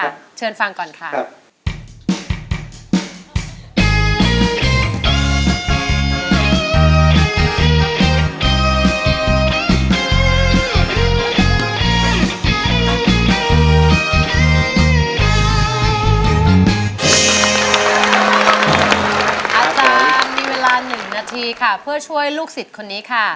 อาจารย์มีเวลา๑นาทีค่ะเพื่อช่วยลูกศิษย์คนนี้ค่ะ